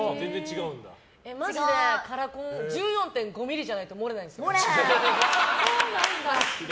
マジでカラコン１４．５ｍｍじゃないと盛れないんです。